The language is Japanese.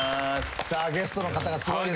ゲストの方がすごいです。